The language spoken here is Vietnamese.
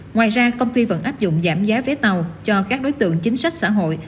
ngoài ra công ty vẫn áp dụng giảm giá vé tàu cho các đối tượng chính sách xã hội